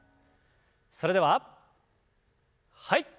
それでははい。